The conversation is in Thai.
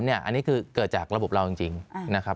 อันนี้คือเกิดจากระบบเราจริงนะครับ